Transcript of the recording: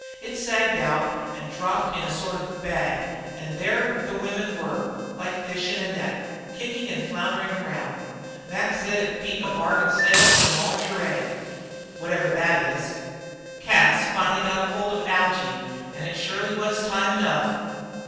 It sagged out and dropped down in a sort of bag, and there the women were like fish in a net, kicking and floundering round. Mac said it beat a bargain sale in loongeree, whatever that is. Cas finally got hold of Algy, and it surely was time enough!"